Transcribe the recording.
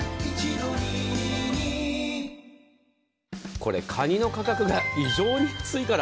これ、かにの価格が異常に安いから。